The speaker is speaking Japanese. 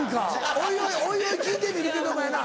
おいおい聞いてみるけどもやな